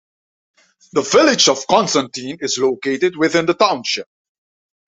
The village of Constantine is located within the township.